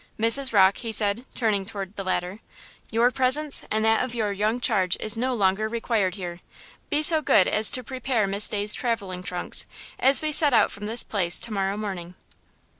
Mrs. Rocke," he said, turning toward the latter, "your presence and that of your young charge is no longer required here. Be so good as to prepare Miss Day's traveling trunks, as we set out from this place to morrow morning."